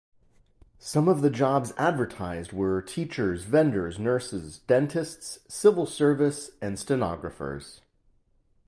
Some of the jobs advertised were teachers, vendors, nurses, dentists, civil service and stenographers.